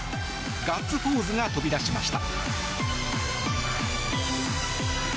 ガッツポーズが飛び出しました。